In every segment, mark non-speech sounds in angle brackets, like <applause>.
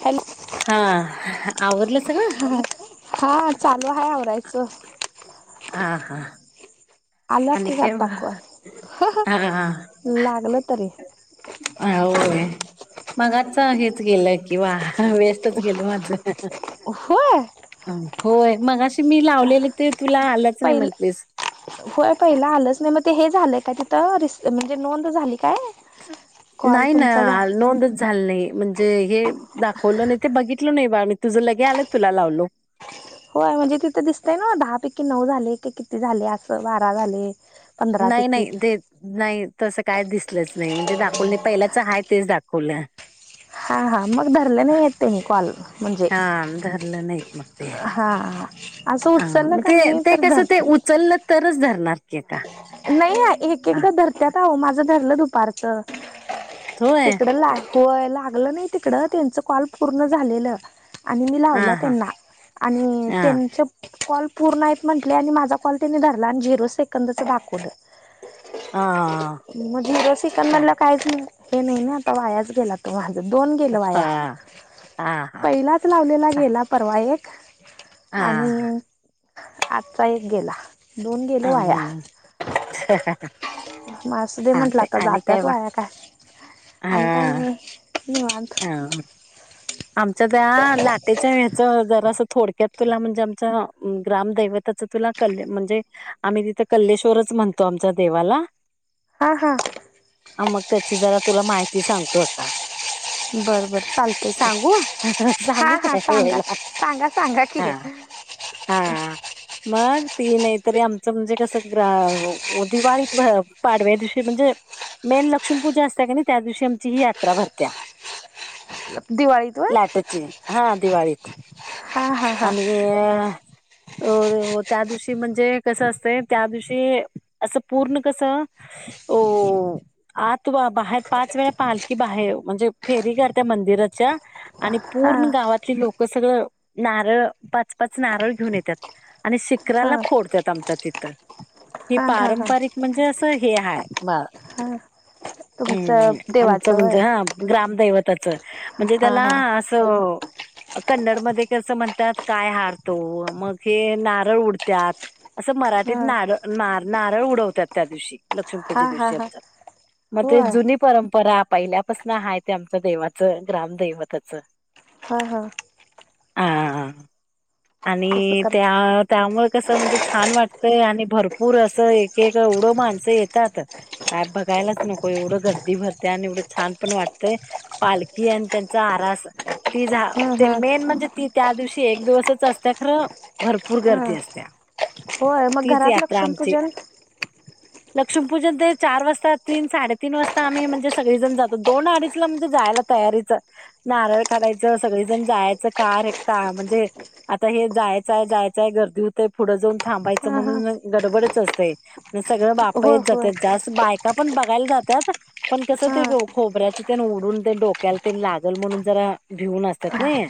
Hello हा आवरलं सगळं हा चालू आहे आवराय स आ हा आल्यात आणि कि काय यात वा टाकु हा हं लागलं तरी आ होय मगाचा हेच गेलं कि वा हा वेस्टच गेल माझं होय होय मगाशी मी लावलेले ते तुला आलंच नाही पहिल म्हटलीस होय पहिलं आलंच नाही मग ते हे झालंय का तिथं रिस म्हणजे नोंद झाली काय कॉल नाही ना तुमचा झा नोंदच झाली नाही म्हणजे हे दाखवलं नाही ते बघितल नाही बा मी तुझ लगे आलं तुला लावलो होय म्हणजे तिथं दिसतय ना दहा पैकी नऊ झाले की किती झाले असं बारा झाले नाही पंधरापैकी नाही दे नाही तसं काय दिसलंच नाही म्हणजे दाखवल नाही पहिलाच आहेा तेच दाखवलं हा हा मग धरले नाही येत ते मी कॉल म्हणजे हा धरलं नाहीत मग ते हा असं उचललं ह का ते मी ते तर कस ते धरतात उचललं तरच धरणार की का नाही एक हा एकदा धरत्यात आवं माझं धरलं दुपारचं होय तिकड लाय लागलं नाही तिकड त्यांचं कॉल पूर्ण झालेलं आणि मी हा लावला हा त्यांना आणि हा त्यांच कॉल पूर्ण आहेत म्हंटले आणि माझा कॉल त्यांनी धरला आणि झिरो सेकंदच दाखवलं हा मजे रसिकण म्हलं काय काहीच नाही हे नाही ना आता वायाच गेला तूला दोन गेल वाया हा हा हा पहिलाच लावलेला चा गेला परवा एक हा आणि आजचा एक गेला दोन गेले वाया अं, <inaudible> म असं दे हा म्हंटलं ते आता आणि जाते काय त बा वाया काय आणि काय हा नाही धन्यवाद ह आमच्या त्या लाटेच्या हच जरा अस थोडक्यात तुला म्हणजे आमच ग्रामदैवता त्याच तुला क म्हणजे आम्ही तिथे कल्लेश्वरच म्हणतो आमच्या देवाला हा हां ह मग त्याची जरा तुला माहिती सांगतो का बर बर चालत सांगू हा सांगू हा काय सांगा वेळेला सांगा सांगा हा क हा मग तनयत तरी आमचं म्हणजे कसं ग्र दिवाळीत पाडव्या दिवशी म्हणजे मेन लक्ष्मीपूजा असत क नाही त्या दिवशी आमची ही यात्रा भरत्या दिवाळीत होय लाटेची हा दिवाळीत हा हा हा आणि अ त्या दिवशी म्हणजे कसं असतंय त्या दिवशी असं पूर्ण कसं हो आत व बाहेर पाच वेळा पालखी बाहेर म्हणजे फेरी करते मंदिर मंदिराच्या आणि हा पूर्ण गावातली लोक सगळं नारळ पाच पाच नारळ घेऊन येतात. आणि हा शिखराला फोडतात आमच्या तिथं. हे हा हा हा पारंपरिक म्हणजे असं हे हाय. हा तुमचं हम्म आमचं देवाचं होय म्हणजे हा ग्रामदैवताचं. म्हणजे हा त्याला हा असं कन्नड मध्ये कसं म्हणतात, काय हारतो मग हे नारळ उडतात. असं मराठीत हा नारळ नार नारळ उडवतात त्या दिवशी. लक्ष्मीपूजे हा हा दिवशी हा आमच्यात म ते होय जुनी परंपरा पहिल्यापासन हाय ते आमच्या देवा च ग्रामदैवताचं. हा हा. हा तसं आणि करत त्या त्यामुळ. कस म्हणजे छान वाटतंय, आणि भरपूर असं एक एक एवढं माणसं येतात काय बघा यलाच नको एवढं गर्दी भरते, आणि एवढं छान पण वाटतय. पालखी आणि त्यांचा आरास ती झा हम्म हम्म मेन म्हणजे ती त्या दिवशी एक दिवसच असते खरं भरपूर हा गर्दी असत्या. होय मग तीच घरात यात्रा आमची लक्ष्मीपूजन. लक्ष्मीपूजन ते चार वाजता, तीन साडेतीन वाजता आम्ही म्हणजे सगळी जण जातो दोन अडीचला जायला तयारीच नारळ काढायचं सगळेजण जायचं कार का म्हणजे. हे जायचंय जायचंय गर्दी होतेय पुढं जाऊन थांबायचं हा हा म्हणून गडबडच असते. सगळं बापचे होय होय जातात जास्त बायका पण बघायला जातात पण कसं हा ते खोबऱ्याच तेन उडून ते डोक्याल तेन लागल म्हणून जरा भिऊन असत्यात. नाही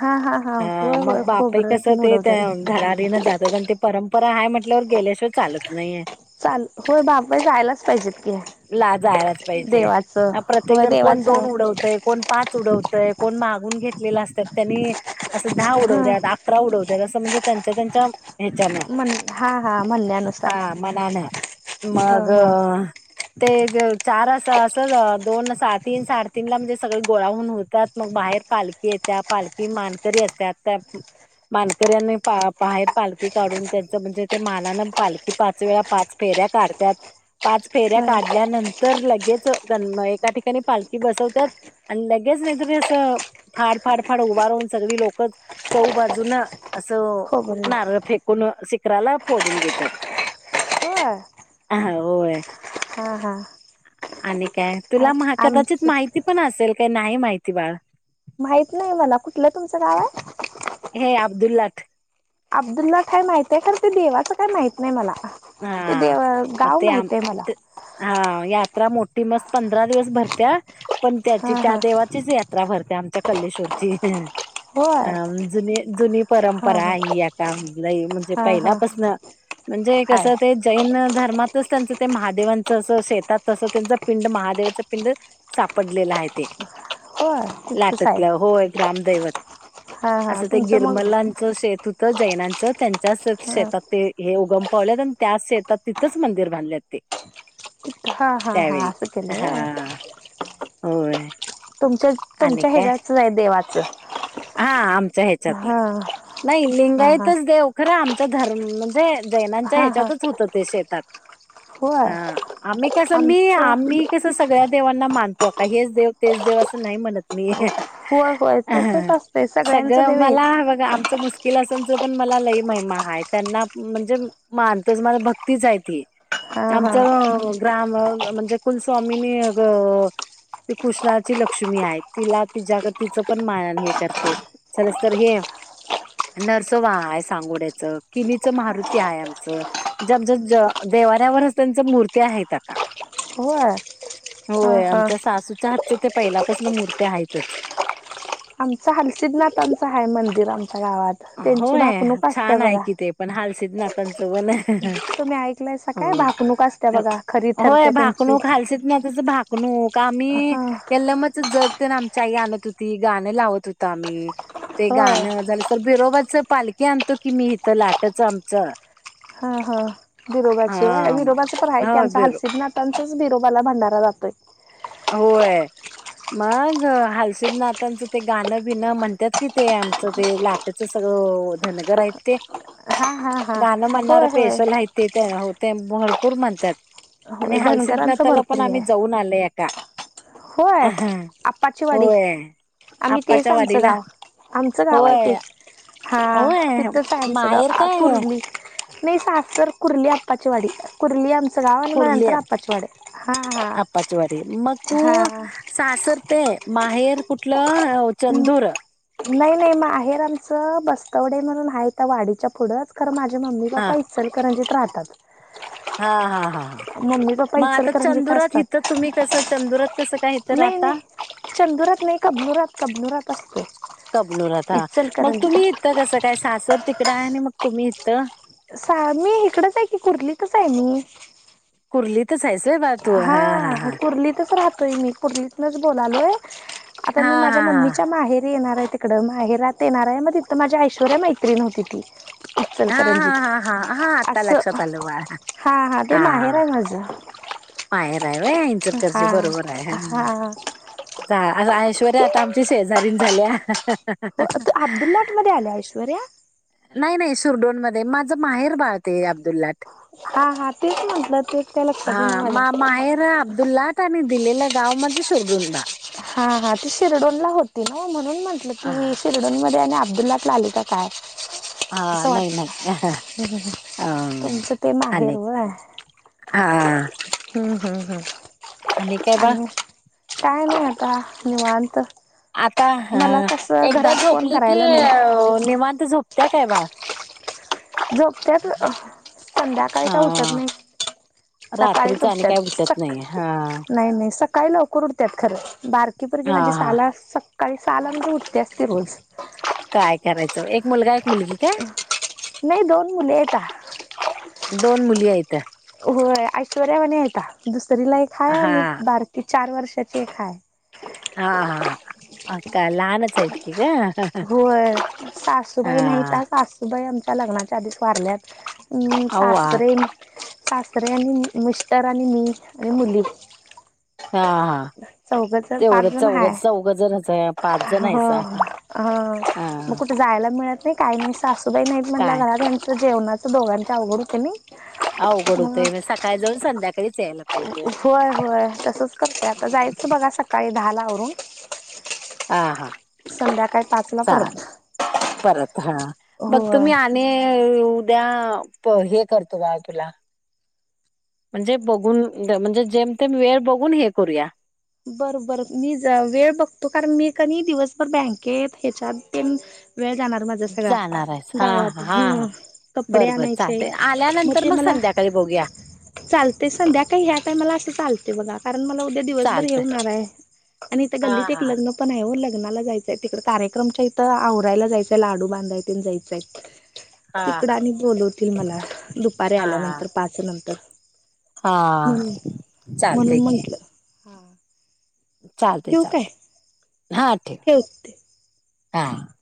हा हा हा अं होय होय मग बापेय खोबरं कसं ते उडवतात धडाडीन जात जगन ते परंपरा हाय म्हटल्यावर गेल्याशिवाय चालत नाहीये. चाल होय बापे जायलाच पाहिजेत की ला जायलाच पाहिजे. देवाचं प्रत्येक होय जण कोण देवाच दोन उडवतय कोण पाच उडवतय कोण मागून घेतलेल असत्यात त्येनी असं दहा हा उडवत्यात, अकरा उडवत्यात असं म्ह णजे त्यांच्या त्यांच्या ह्याच्यान म्हण हा हा म्हणण्यानुसार हा मनान हा मग हा ते चार असं असं दोन साट तीन साडेतीन ला म्हणजे सगळे गोळाहून हुत्यात मग बाहेर पालखी येत्या पालखी मानकरी असत्यात त्या मानकऱ्यांनी बा बाहेर पालखी काढून त्यांच म्हणजे ते मानानं पालखी पाच वेळा पाच फेर ऱ्या काढत्यात पाच फेऱ्या होय काढल्यानंतर लगेच गणम एका ठिकणी पालखी बसवत्यात आणि लगेच नाहीतरी असं फाड फाड फाड उभा राहून सगळी लोकच चौ बाजूनं असं खोबरे नारळ फेक कोण शिखराला फोडून घेत्यात. होय ह होय हा हा आणि काय आ तुला म कदाचित आमचं माहिती पण आसंले, का नाही माहिती बाळा. माहित नाही मला कुठलं तुमचं गावे? द्दिलाट. अब्दुल्लाट खाय माहित्याय हाय, खरं ते देवाचं काय माहित नाही मला. ते दे हा अं मग गाव ते आम माहित्येय मला. ते हा यात्रा मोठी मस पंधरा दिवस भरत्या पण त्याची हा त्या हा देवाचीच यात्रा भर त्या आमच्या कल्लेश्वरची हं. हो. अं जुनी जुनी परंपरा हाय ही आता लई म्हणजे हा हा पहिल्यापस्न म्हणजे हाय कसं ते जैन ध र्मातच त्यांच ते महादेवांच अस शेतात असं त्यांच पिंड महादेवाच पिंड सापडलेलं आहेत. ते. होय लाटतलं <unintelligible> होय ग्रामदैवत हा हा असं ते तुमचं मग गिरमलांचं शेत हुत त जैनांच त्यांच्याच शेतात ते हे उगम पावल्यात अन त्या शेतात तिथंच मंदिर बंधल्यात ते हा हा हा त्यावेळी असं हा केलंय व्हय हा आ होय तुमच्या आणि तुमच्या काय ह्याच्याच आहे देवाचं हा आमच्या ह्याच्यातलं हा नाही हा हा लिंगायतच देव खरं आमचा धरम म्हणजे जैनांच्या हा हा ह्याच्यातच हूत ते शेतात होय हा आम्ही कस मी आमचं आम्ही कस सगळ्या देवा ना मानतो आक्का हेच देव तेच देव असं नाही म्हणत मी होय होय अं हं तसच असतंय सगळ्यांचं सगळं देव मला हेच बघा हा च मुश्किल आसनच पण मला लई महिमा हाय त्यांना म्हणजे मानतोच मला भक्तीच हाय ती हा हा आमच अं ग्राम म्हणजे कुलस्वामीनी ग ती कृष्णाची लक्ष्मी आहे तिला तिच्याक तिचं पण मायेने हे करतो <unintelligible> तर हे नरसोबा हाय सांगोड्याच, किनीच मारुती हाय आमचं ज ब ज अं देव्हाऱ्यावरच त्यांच मूर्ती आहेत का? होय अ होय ह आमच्या सासूच्या हातचं ते पहिल्यापसन मुर्त्या हायितच आमच हालसिद्धनाथांच हाय मंदिर आमच्या गावात तेंची भाकणूक असत्या बघा सिद्धनाथान <unintelligible> तुम्ही ऐकलायसा काय होय, भाकणूक असते अं बघा खरी होय ठरते त्यांची भाकणूक हालसिद्धनाथाच भाक णूक आम्ही ह यल्लमाच जग तेन आमची आई आणत होती गाणं लावत होत आम्ही. ते होय गाणं तर बिरोबाच पालखी आणतो की मी इथं लाटंच आमचं. ह ह बिरोबाची होय, हा बिरोबाचं पण आहे की हो आमचा बिरो हालसिध्दनाथांचाच बिरोबाला भंडारा जातोय. होय. मग हालसिध्दनाथांचं ते गाणं बिणं म्हणतात कि ते आमचं ते लाटंच सगळ ओ धनगर आहेत ते हा हा हा गाणं म्हणणार होय होय पेशल आहेत ते हो ते भरपूर म्हणत्यात. आणि होय धनगरांचं हालसिध्दनाथाला भरपूर पण हे आम्ही आहे जाऊन आलया. होय आप्पाचीवाडी होय. आम्ही तेच आप्पाच्या आमचं वाडीला गाव, आमचं गाव आहे ते. होय हा होय तिथंच हाय आमचं माहेर गाव आ काय कुर्ली. नाही सासर कुर्ली आप्पाचीवाडी कुर्ली आमचं गावं म कुर्ली नंतर अप्पाचीवाडी हां आप्पाचीवाडी मग तू सासर ते माहेर कुठलं चंदूर. नाही नाही माहेर आमचं बस्तवडे म्हणून हाय त्या वाडीच्या पुढंच खरं माझ मम्मी हा पप्पा इचलकरंजीत राहतात. हा हा हा. मम्मी पप्पा मग आता इचलकरंजीत चंदुरात असतात इथं तुम्ही कसं चंदुरात कसं काय इथं नाही राहता? नाही चंदुरात नाही कबनुरात कबनुरात असतोय. कबनुरात हा मग तुम्ही इथं कसं काय सासर तिकडं आहे आणि मग तुम्ही इथं. सा मी इकडचं आहे की कुर्लीतच आहे मी. कुर्लीतच आहेस हा कुर्लीतच राह ते मी कुर्लीतनच बोलालोय, आता हा मी हा माझ्या हा. मम्मीच्या माहेर री येणार आहे तिकडं माहेरात येणार आहे मग तिथं माझी ऐश्वर्या मैत्रीण होती ती. हा हा इचलकरंजीत हा हा हा आता असं, लक्षात आलं बाळा हा हा ते माहेर आहे माझं. माहेर आहे होय इंचलकरंजी हा बरोबर आहे, हा आज ऐ श्वर्या आता आमची शेजारीन झाल्या. हो तू अब्दुल्लाट मध्ये आल्या ऐश्वर्या? नाही नाही शिरडोन मध्ये माझं माहेर बाळ ते अब्दुल्लाट. हा हा तेच म्हटलं तेच काय लक्षात येईना हा माझ्या मा माहेर अब्दुल्लाट आणि, दिलेलं गाव माझं शिरडून बा, हा हा ती शिरडोनला होती, नव्ह म्हणून म्हंटलं हा की शिरडोनमध्ये आणि अब्दुल्लाटला आली का, काय. हा, असं नाही नाही वाटलं अ तुमचं ते माहेर आणि होय. हा. हम् हम हम् आणि काय बाळ? काय नाही आता निवांत. आता हा मला कसं एकदा घरात फोन झोपली की करायला नाही निवांत झोप त्या काय बाळ? झोपत्यात संध्याकाळी काय अ उठत नाही. सकाळीच रात्रीच आणि काय उठत्यात. उठत सक् नाही हा नाही नाही सकाळी लवकर उठत्यात खरं, बारकी पुरगी हा माझी हा सहा ला, सकाळी साला म्हणजे उठत्याच ती रोज. काय करायचं एक मुलगा एक मुलगी काय? नाही दोन मुले हायता दोन मुली आहेत. होय ऐश्वर्यावाणी आहेता दुसरीला, एक हाय हा बारकी, चार वर्षाची एक हाय. अका लहानचं हायत की. का होय हा सासूबाई नाहीत, सासूबाई आमच्या लग्नाच्या आधीच वारल्यात. हम अव्वा सासरे, सासरे आणि मिस्तर, आणि मी आणि मुली, हा हा चौघजण पाच तेवढं जण चौघ हाय चौघ जणच पाच जण हो आहे. स हो हा मग कुठे जायला मिळत नाही, काही मी सासूबाई नाहीत म्हटलं काय घरात त्यांचं जेवणाचं दोघांचे अवघड होते. नी अवघड होतोय म्हज सकाळी जाऊन संध्याकाळी, होय होय तसच करतेय आता हम्म. जायचं बघा सकाळी दहा आवरून, संध्याकाळी पाचला ग परत परत हा बघ होय तुम्ही आणि, उद्या हे करतो बा तुला, म्हणजे बघून म्हणजे जेम तेम वेळ बघून हे करूया, बर बर मी वेळ बघतो कारण, मी क दिवसभर बँकेत ह्याच्यात, वेळ जाणार माझा सगळा जाणार आहेस हा हा गावात, हा हा कपडे आणायचे मग ते मला, त्यााकाळी बघू या, चालते संध्याकाळी ह्या काय मला असं चालते बघा, कारण मला उद्या दिवसभर चालतंय हेऊणार आहे, आणि इथ हा गल्लीत एक लग्न पण आहे लग, लगला जायचंय तिकड कार्यक्रमच्या इथं आवरायला जायचंय लाडू बांधाय जायचाय, हा तिकडं हा आणि बोलवतील, मला दुपारी हा आल्यानंतर पाच नंतर, हा म्हणून चालतंय म्हणून म्हंटलं, चालते ठेवू काय चालते हा, ठेवा ठेवते हा,